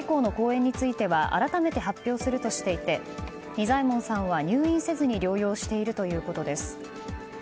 それ以降の公演については改めて発表するとしていて仁左衛門さんは、入院せずに療養しているということです。